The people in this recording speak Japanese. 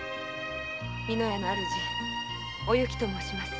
美乃屋の主お幸と申します。